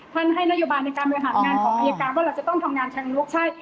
ให้นโยบายในการบริหารงานของอายการว่าเราจะต้องทำงานเชิงลุกใช่